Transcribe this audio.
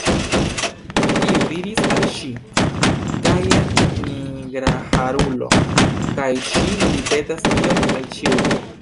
Iu diris al ŝi: gaja nigraharulo, kaj ŝi ripetas tion al ĉiuj.